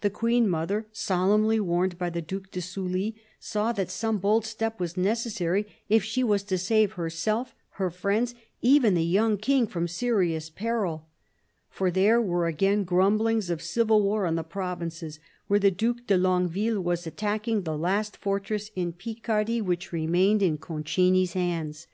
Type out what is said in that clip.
The Queen mother, solemnly warned by the Due de Sully, saw that some bold step was necessary if she was to save herself, her friends, even the young King, from serious peril. For there were again grumblings of civil war in the provinces, where the Due de Longueville was attacking the last fortress in Picardy which remained in Concini's hands.